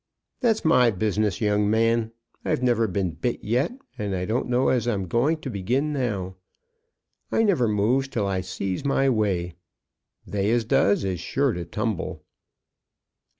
"That's my business, young man; I've never been bit yet, and I don't know as I'm going to begin now. I never moves till I see my way. They as does is sure to tumble."